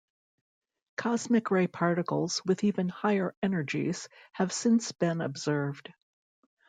Cosmic ray particles with even higher energies have since been observed.